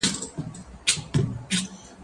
زه به سبا سپينکۍ پرېولم!؟